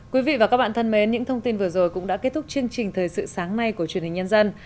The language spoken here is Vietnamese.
quý vị và các bạn thân mến những thông tin vừa rồi cũng đã kết thúc chương trình thời sự sáng nay của truyền hình nhân dân